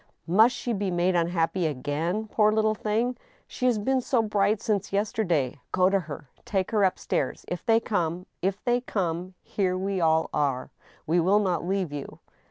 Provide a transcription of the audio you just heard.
" Must she be made unhappy again, poor little thing ? She has been so bright since yesterday I Go to her. Take her up stairs ; if . they come —"" If they come, here we all are. We will not leave you."